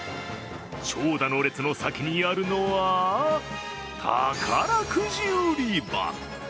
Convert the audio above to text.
長蛇の列の先にあるのは宝くじ売り場。